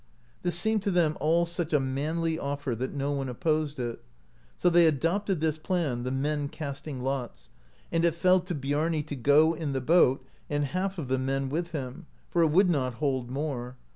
This seemed to them all such a manly offer that no one opposed it. So they adopted this plan, the men casting lots ; and it fell to Biarni to go in the boat, and half of the men with him, for it would not hold more.